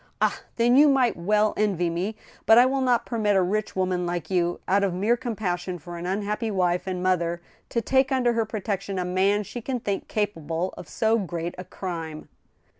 Ah ! then you might well envy me. But I will not permit a rich woman like you, out of mere compassion for an unhappy wife and mother, to take under her protection a man she can think capable of so great a crime."